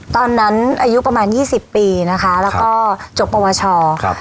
ตอนนั้นอายุประมาณยี่สิบปีนะคะแล้วก็จบประวัติศาสตร์ครับ